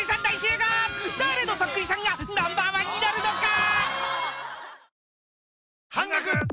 ［誰のそっくりさんがナンバーワンになるのか⁉］